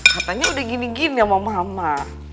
katanya udah gini gini sama mama